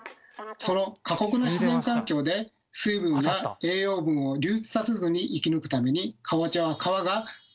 その過酷な自然環境で水分や栄養分を流出させずに生き抜くためにかぼちゃは皮が。